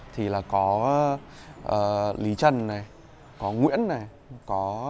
thì là có lý trần có nguyễn có nguyễn